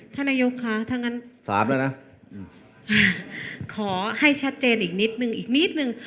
ท่านนโยคค่ะถ้างั้นขอให้ชัดเจนอีกนิดนึงอีกนิดนึง